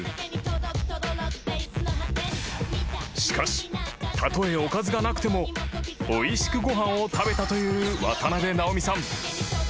［しかしたとえおかずがなくてもおいしくご飯を食べたという渡辺直美さん］